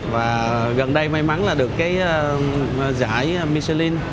và gần đây may mắn là được cái giải michelin